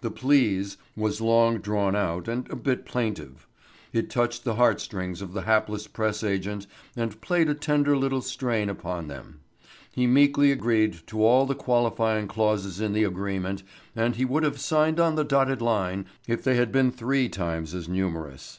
The "please" was long drawn out and a bit plaintive. It touched the heart strings of the hapless press agent and played a tender little strain upon them. He meekly agreed to all the qualifying clauses in the agreement and he would have signed on the dotted line if they had been three times as numerous.